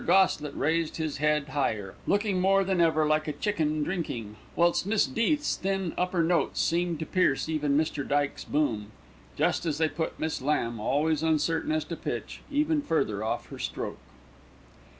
Goslett raised his head higher, looking more than ever like a chicken drinking, whilst Miss Death's thin, upper notes seemed to pierce even Mr. Dykes's boom, just as they put Miss Lamb, always uncertain as to pitch, even further off her stroke.